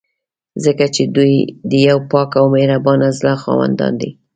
ځکه چې دوی د یو پاک او مهربانه زړه خاوندان دي.